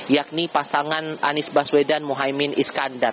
yakni pasangan anies baswedan mohaimin iskandar